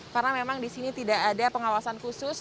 karena memang di sini tidak ada pengawasan kususnya